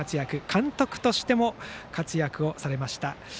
監督としても活躍をされました。